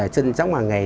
sinh sống hàng ngày